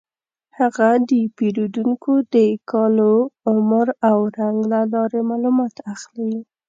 هغه د پیریدونکو د کالو، عمر او رنګ له لارې معلومات اخلي.